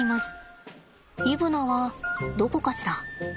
イブナはどこかしら。